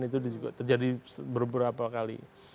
itu juga terjadi beberapa kali